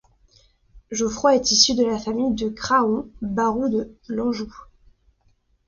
Geoffroi est issu de la famille de Craon, barons de l'Anjou.